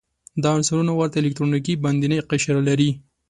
دا عنصرونه ورته الکتروني باندینی قشر لري.